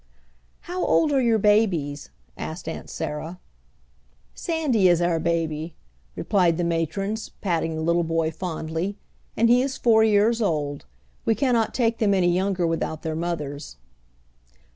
"How old are your babies?" asked Aunt Sarah. "Sandy is our baby!" replied the matrons patting the little boy fondly, "and he is four years old. We cannot take them any younger without their mothers."